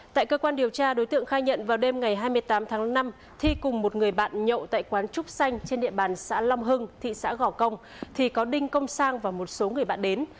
tại cơ quan điều tra đối tượng khai nhận vào đêm ngày hai mươi tám tháng năm thi cùng một người bạn nhậu tại quán trúc xanh trên địa bàn xã long hưng thị xã gò công thì có đinh công sang và một số người bạn đến